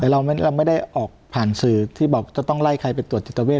แต่เราไม่ได้ออกผ่านสื่อที่บอกจะต้องไล่ใครไปตรวจจิตเวท